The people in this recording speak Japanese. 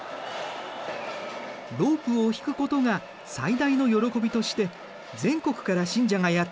ロープを引くことが最大の喜びとして全国から信者がやって来る。